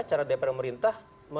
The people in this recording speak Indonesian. cara depan pemerintah